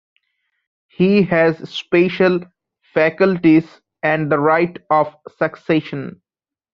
He has special faculties and the right of succession.